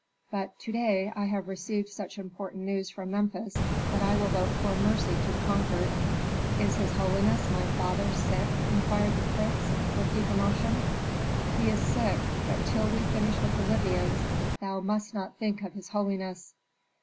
But to day I have received such important news from Memphis that I will vote for mercy to the conquered." "Is his holiness, my father, sick?" inquired the prince, with deep emotion. "He is sick. But till we finish with the Libyans thou must not think of his holiness."